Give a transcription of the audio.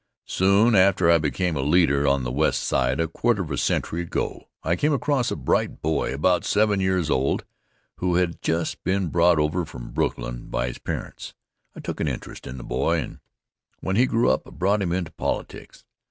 Soon after I became a leader on the West Side, a quarter of a century ago, I came across a bright boy, about seven years old, who had just been brought over from Brooklyn by his parents. I took an interest in the boy, and when he grew up I brought him into politics.